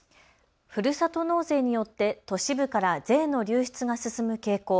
ふるさと納税によって都市部から税の流出が進む傾向。